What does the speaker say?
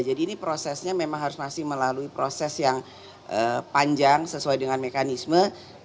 jadi ini prosesnya memang harus masih melalui proses yang panjang sesuai dengan mekanisme